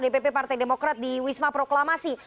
dpp partai demokrat di wisma proklamasi